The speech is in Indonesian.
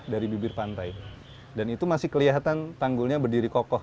dari bibir pantai dan itu masih kelihatan tanggulnya berdiri kokoh